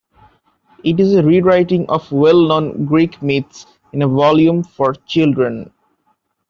It is a re-writing of well-known Greek myths in a volume for children.